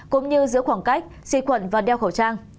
cũng như giữ khoảng cách xin khuẩn và đeo khẩu trang